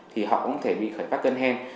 thì họ cũng có thể bị khởi phát cơn hen